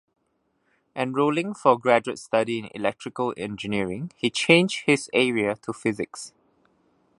Enrolling for graduate study in electrical engineering, he changed his area to physics.